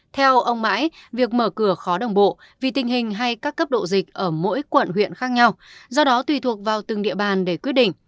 theo ông mãi việc mở cửa khó đồng bộ vì tình hình hay các cấp độ dịch ở mỗi quận huyện khác nhau do đó tùy thuộc vào từng địa bàn để quyết định